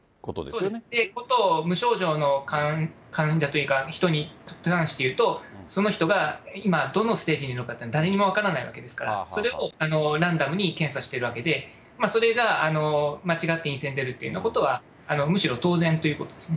そういうことを無症状の患者というか、人に関して言うと、その人が今、どのステージにいるのかというのは誰にも分からないわけですから、それをランダムに検査してるわけで、それが間違って陰性が出るというのは、むしろ当然ということですね。